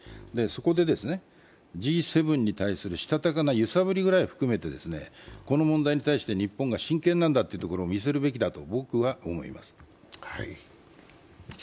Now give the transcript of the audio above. そこで、Ｇ７に対するしたたかな揺さぶりぐらい含めてこの問題に対して日本は真剣なんだというところを見せるべきだと、僕は思います。